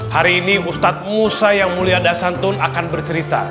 hari ini ustadz musa yang mulia dasantun akan bercerita